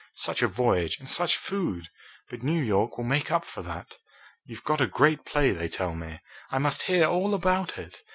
Such a voyage and such food! But New York will make up for that. You've got a great play, they tell me. I must hear all about it.